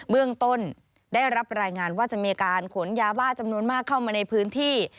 เรื่องต้นได้รับรายงานว่าจะมีการขนยาบ้าจำนวนมากเข้ามาในพื้นที่